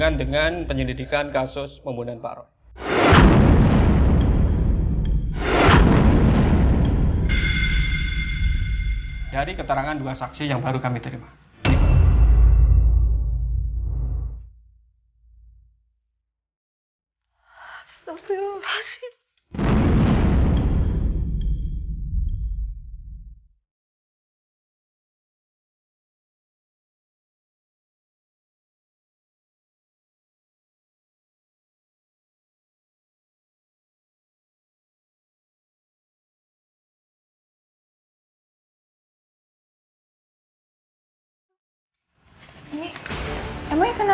apa yang uya harus lakukan